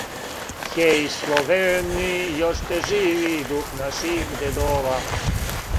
Хеј, Словени, јоште живи дух наших дедова.